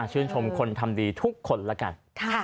ชื่นชมคนทำดีทุกคนแล้วกัน